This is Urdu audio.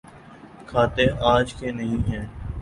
کھاتے آج کے نہیں ہیں۔